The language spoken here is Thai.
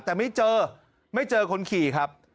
แต่ไม่เจอไม่เจอคนขี่ครับ